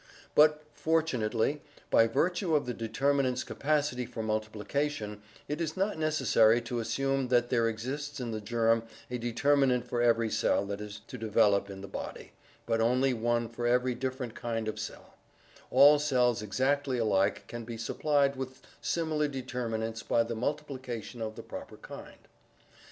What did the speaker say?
But, fortu nately, by virtue of the determinants' capacity for multiplication, it is not necessary to assume that there exists in the germ a determinant for every cell that is to develop in the body, but only one for every different kind of cell; all cells exactly alike can be supplied with similar deter minants by the multiplication of the proper kind.